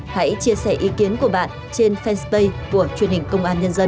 hãy chia sẻ ý kiến của bạn trên fanpage của truyền hình công an nhân dân